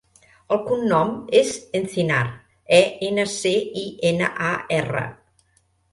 El cognom és Encinar: e, ena, ce, i, ena, a, erra.